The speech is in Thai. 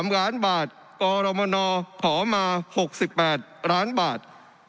๓ล้านบาทกรมนขอมา๖๘ล้านบาท